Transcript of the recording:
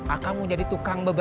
aku mau jadi tukang bebek